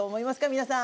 皆さん。